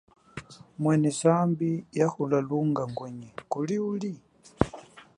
Mwene zambi yahula lunga ngwenyi kuli uli?